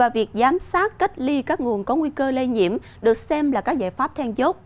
giám sát cách ly các nguồn có nguy cơ lây nhiễm được xem là các giải pháp thang dốt